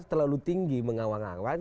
terlalu tinggi mengawan awan